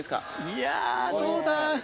いやー、どうだ？